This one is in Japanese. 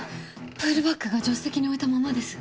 プールバッグが助手席に置いたままです。